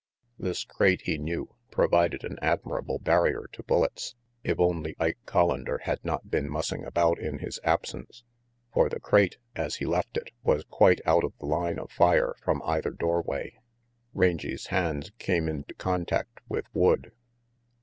This crate, he knew, provided an admirable barrier to bullets, if only Ike Collander had not been mussing about in his absence. For the crate, as he left it, was quite out of the line of fire from either doorway. Rangy's hands came into contact with wood.